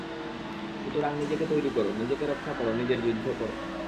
সুতরাং নিজেকে তৈরি করো, নিজেকে রক্ষা করো, নিজের জন্য যুদ্ধ করো।